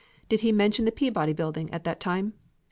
Did he mention the Peabody Building at that time?